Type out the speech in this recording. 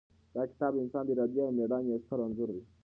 دا کتاب د انسان د ارادې او مېړانې یو ستر انځور دی.